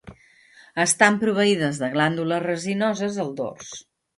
Estan proveïdes de glàndules resinoses al dors.